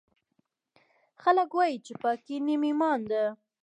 خلکوایي چې پاکۍ نیم ایمان ده